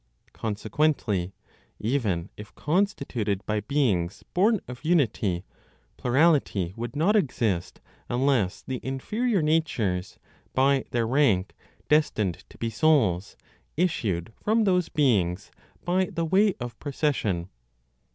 Consequently, even if constituted by beings born of unity, plurality would not exist, unless the inferior natures, by their rank destined to be souls, issued from those beings by the way of procession.